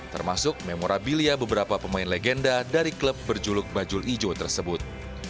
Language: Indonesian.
termasuk memorabilia beberapa pemain legenda dari klub berjuluk bajul ijo tersebut